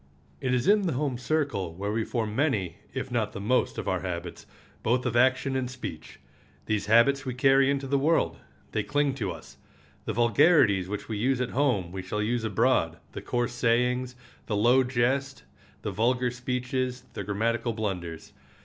It is in the home circle where we form many, if not the most, of our habits, both of action and speech. These habits we carry into the world. They cling to us. The vulgarities which we use at home we shall use abroad—the coarse sayings, the low jest, the vulgar speeches, the grammatical blunders.